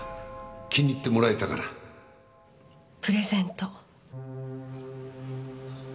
気に入ってもらえたかな？プレゼント。